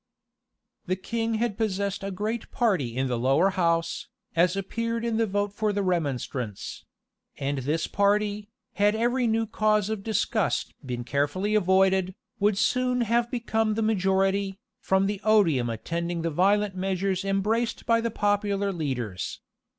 [*] The king had possessed a great party in the lower house, as appeared in the vote for the remonstrance; and this party, had every new cause of disgust been carefully avoided, would soon have become the majority, from the odium attending the violent measures embraced by the popular leaders.